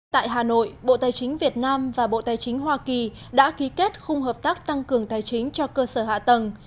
tại hà nội bộ tài chính việt nam và bộ tài chính hoa kỳ đã ký kết khung hợp tác tăng cường tài chính cho cơ sở hạ tầng